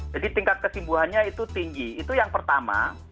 jadi tingkat kesembuhannya itu tinggi itu yang pertama